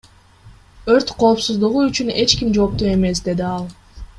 Өрт коопсуздугу үчүн эч ким жоопту эмес, — деди ал.